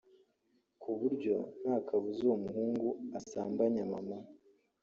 ku buryo nta kabuza uwo muhungu asambanya mama